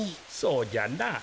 そうじゃな。